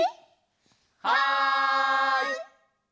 はい！